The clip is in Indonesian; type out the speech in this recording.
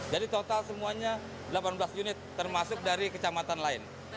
jadi total semuanya delapan belas unit termasuk dari kecamatan lain